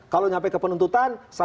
kalau sampai ke penuntutan